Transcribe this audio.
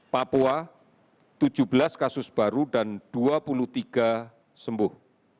papua tujuh belas kasus baru dan dua puluh tiga sembuh